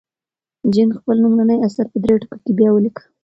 جین خپل لومړنی اثر په درې ټوکه کې بیا ولیکه.